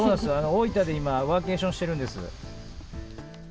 大分で今、ワーケーションしてるんです。